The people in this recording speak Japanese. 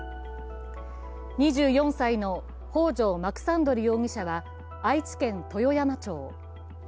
２４歳の北条マクサンドリ容疑者は愛知県豊山町。